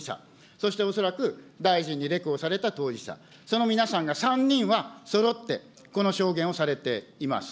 そして恐らく大臣にレクをされた当事者、その皆さんが３人はそろってこの証言をされています。